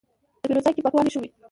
د پیرود ځای کې پاکوالی ښه و.